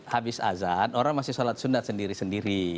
habis azan orang masih sholat sunat sendiri sendiri